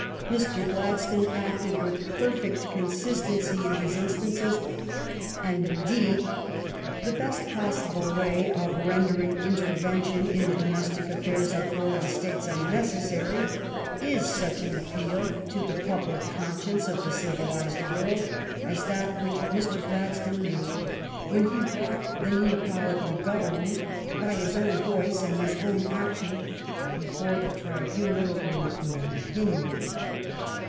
Mr. Gladstone acted with perfect consistency in these instances; and, indeed, the best possible way of rendering inter 144 THE STORY OF GLADSTONE'S LIFE vention in the domestic affairs of foreign States unnecessary is such an appeal to the public con science of the civilized world as that which Mr. Gladstone made when he brought the Neapolitan Government, by his own voice and his own ac tion, before the tribunal of European opinion.